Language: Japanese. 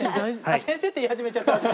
「先生」って言い始めちゃった私も。